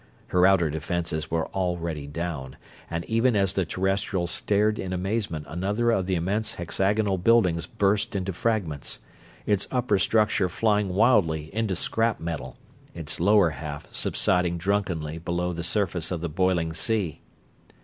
Her outer defenses were already down, and even as the Terrestrials stared in amazement another of the immense hexagonal buildings burst into fragments; its upper structure flying wildly into scrap metal, its lower half subsiding drunkenly below the surface of the boiling sea.